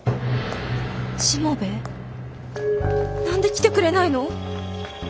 何で来てくれないの？